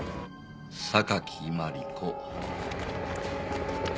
榊マリコ。